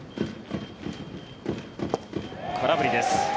空振りです。